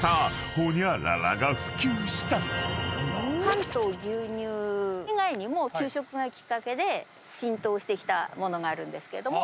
パンと牛乳以外にも給食がきっかけで浸透してきたものがあるんですけれども。